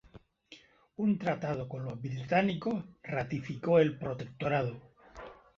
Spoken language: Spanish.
Un tratado con los británicos ratificó el protectorado.